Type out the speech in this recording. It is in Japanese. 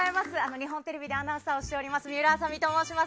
日本テレビでアナウンサーをしております水卜麻美と申します。